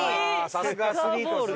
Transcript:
さすがアスリートですね。